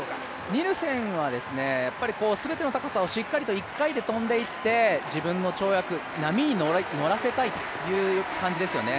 ニルセンは全ての高さをしっかりと１回で跳んでいって自分の跳躍波に乗らせたいという感じですよね。